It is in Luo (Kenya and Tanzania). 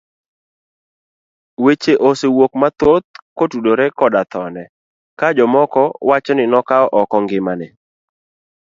Weche osewuok mathoth kotudore koda thone ka jomoko wacho ni nokawo oko ngimane.